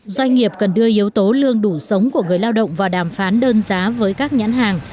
doanh nghiệp cần đưa yếu tố lương đủ sống của người lao động vào đàm phán đơn giá với các nhãn hàng